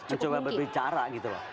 mencoba berbicara gitu